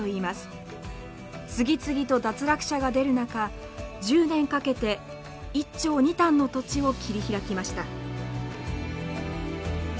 次々と脱落者が出る中１０年かけて１町２反の土地を切り開きました。